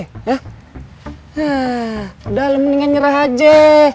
hah udah mendingan nyerah aja